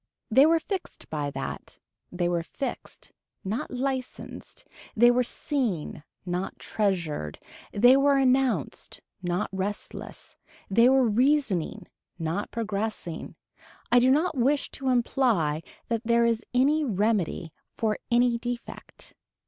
They were fixed by that, they were fixed, not licensed, they were seen, not treasured, they were announced, not restless, they were reasoning, not progressing. I do not wish to imply that there is any remedy for any defect.